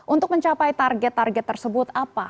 untuk mencapai target target tersebut apa